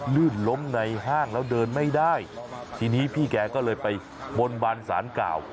ลื่นล้มในห้างแล้วเดินไม่ได้ทีนี้พี่แกก็เลยไปบนบานสารกล่าว